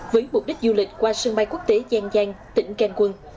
với mục đích du lịch qua sân bay quốc tế giang giang tỉnh ken quân